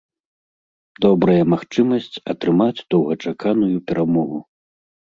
Добрая магчымасць атрымаць доўгачаканую перамогу.